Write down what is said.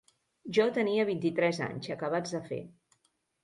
Jo tenia vint-i-tres anys acabats de fer.